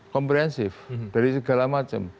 komprehensif dari segala macam